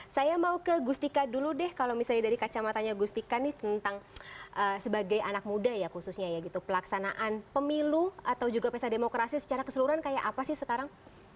saya mau ke gustika dulu deh kalau misalnya dari kacamatanya gustika nih tentang sebagai anak muda ya khususnya ya gitu pelaksanaan pemilu atau juga pesta demokrasi secara keseluruhan kayak apa sih sekarang